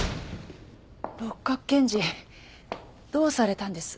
六角検事どうされたんです？